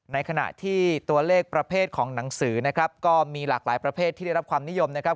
ในขณะที่ตัวเลขประเภทของหนังสือนะครับก็มีหลากหลายประเภทที่ได้รับความนิยมนะครับ